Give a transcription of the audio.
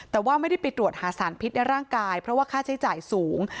แต่ว่าไม่ได้ไปตรวจหาสารพิษในร่างกายเพราะว่าค่าใช้จ่ายสูง